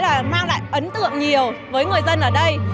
lễ hội ánh sáng sẽ mang lại ấn tượng nhiều với người dân ở đây